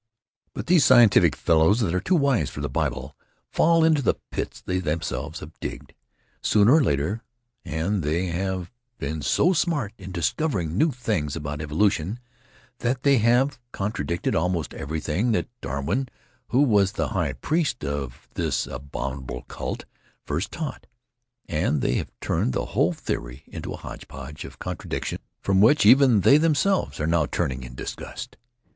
But these scientific fellows that are too wise for the Bible fall into the pits they themselves have digged, sooner or later, and they have been so smart in discovering new things about evolution that they have contradicted almost everything that Darwin, who was the high priest of this abominable cult, first taught, and they have turned the whole theory into a hodge podge of contradictions from which even they themselves are now turning in disgust.